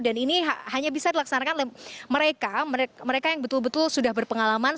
dan ini hanya bisa dilaksanakan oleh mereka mereka yang betul betul sudah berpengalaman